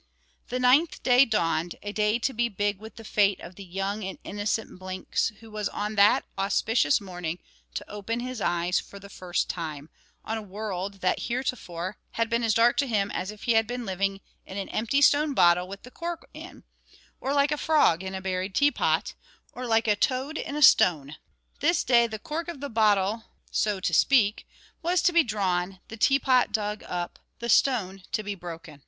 _ The ninth day dawned, a day to be big with the fate of the young and innocent Blinks, who was on that auspicious morning to open his eyes for the first time, on a world that, heretofore, had been as dark to him as if he had been living in an empty stone bottle with the cork in, or like a frog in a buried teapot, or like a toad in a stone. This day the cork of the bottle so to speak was to be drawn, the teapot dug up, the stone to be broken.